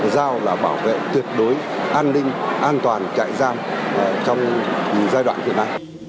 giao là bảo vệ tuyệt đối an ninh an toàn chạy giam trong giai đoạn hiện nay